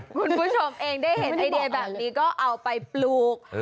คุณผู้ชมเองได้เห็นไอเดียแบบนี้ก็เอาไปปลูก